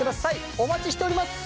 お待ちしております！